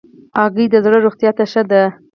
هګۍ د زړه روغتیا ته ښه ده.